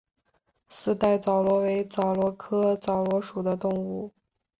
四带枣螺为枣螺科枣螺属的动物。